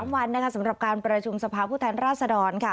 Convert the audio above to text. วันสำหรับการประชุมสภาพผู้แทนราชดรค่ะ